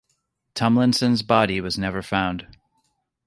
Tumlinson's body was never found.